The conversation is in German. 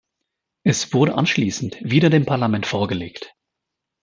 Es wurde anschließend wieder dem Parlament vorgelegt.